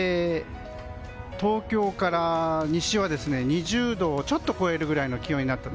東京から西は２０度をちょっと超えるくらいの気温になった。